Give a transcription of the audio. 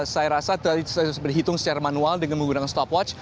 saya rasa terlihat berhitung secara manual dengan menggunakan stopwatch